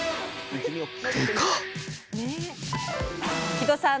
木戸さん